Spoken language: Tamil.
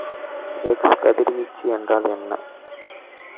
எக்ஸ் கதிர்வீச்சு என்றால் என்ன?